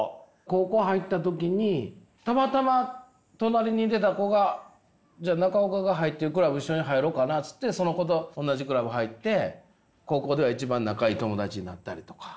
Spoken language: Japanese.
高校入った時にたまたま隣にいてた子が「じゃあ中岡が入ってるクラブ一緒に入ろうかな」っつってその子と同じクラブ入って高校では一番仲いい友達になったりとか。